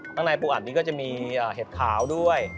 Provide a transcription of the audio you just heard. ข้างในปูอัดนี้ก็จะมีเห็ดขาวด้วย